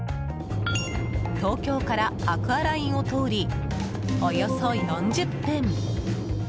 東京からアクアラインを通りおよそ４０分